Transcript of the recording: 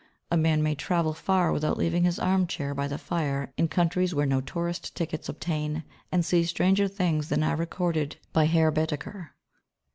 A man may travel far without leaving his arm chair by the fire, in countries where no tourist tickets obtain, and see stranger things than are recorded by Herr Baedeker.